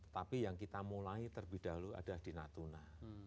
tapi yang kita mulai terlebih dahulu ada di natuna